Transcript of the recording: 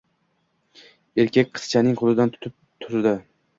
Erkak qizchasining qoʻlidan tutib turdi.